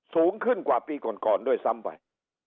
สูงขึ้นกว่าปีก่อนก่อนด้วยซ้ำไป